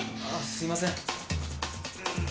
すいません。